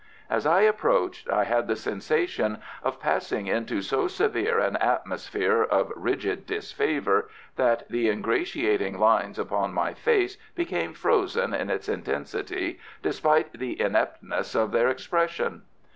As I approached I had the sensation of passing into so severe an atmosphere of rigid disfavour, that the ingratiating lines upon my face became frozen in its intensity, despite the ineptness of their expression.